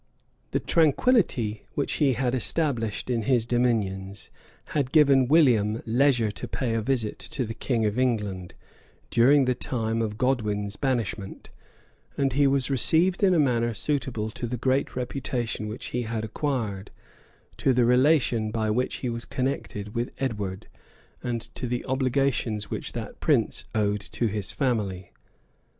The tranquillity which he had established in his dominions, had given William leisure to pay a visit to the king of England, during the time of Godwin's banishment; and he was received in a manner suitable to the great reputation which he had acquired, to the relation by which he was connected with Edward, and to the obligations which that prince owed to his family.